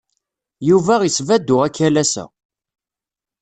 Yuba isbadu akalas-a.